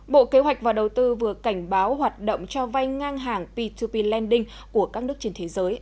bộ kế hoạch và đầu tư vừa cảnh báo hoạt động cho vai ngang hàng p hai p lending của các nước trên thế giới